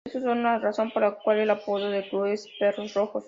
Ellos son la razón por la cual el apodo del club es "perros rojos".